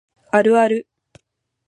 あるある